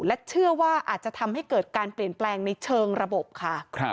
และเชื่อว่าอาจจะทำให้เกิดการเปลี่ยนแปลงในเชิงระบบค่ะ